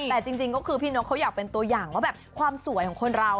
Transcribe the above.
แต่จริงก็คือพี่นกเขาอยากเป็นตัวอย่างว่าแบบความสวยของคนเรา